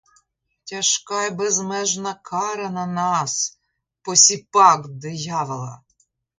Тяжка й безмежна кара на нас, посіпак диявола!